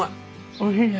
おいしいね。